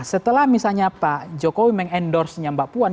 setelah misalnya pak jokowi meng endorse nya mbak puan